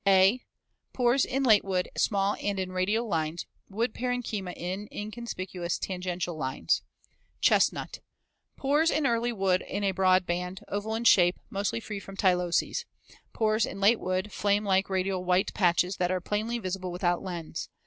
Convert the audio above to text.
(a) Pores in late wood small and in radial lines, wood parenchyma in inconspicuous tangential lines. Chestnut. Pores in early wood in a broad band, oval in shape, mostly free from tyloses. Pores in late wood in flame like radial white patches that are plainly visible without lens.